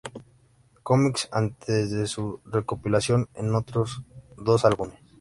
Comics", antes de su recopilación en otros dos álbumes.